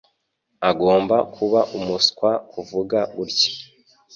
Agomba kuba umuswa kuvuga gutya.